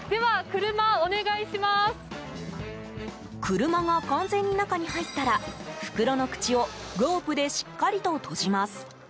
車が完全に中に入ったら袋の口をロープでしっかりと閉じます。